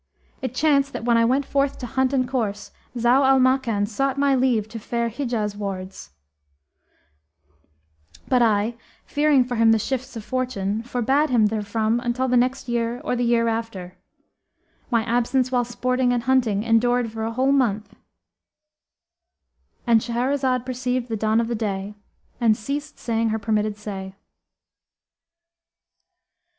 It chanced that when I went forth to hunt and course Zau al Makan sought my leave to fare Hijaz wards, but I, fearing for him the shifts of fortune, forbade him therefrom until the next year or the year after. My absence while sporting and hunting endured for a whole month"—And Shahrazad perceived the dawn of day and ceased saying her permitted say.